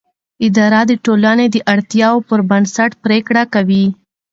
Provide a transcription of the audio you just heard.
اداره د ټولنې د اړتیاوو پر بنسټ پریکړه کوي.